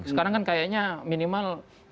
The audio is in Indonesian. sekarang kan kayaknya minimal